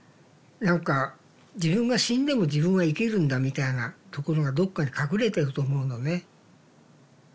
何か自分が死んでも自分は生きるんだみたいなところがどっかに隠れてると思うのね。